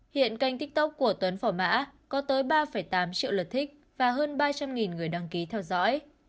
hiện kênh tiktok của tuấn phỏ mã có tới ba tám triệu lượt thích và hơn ba trăm linh người đăng ký theo dõi